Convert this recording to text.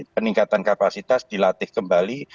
peningkatan kapasitas dilatih kembali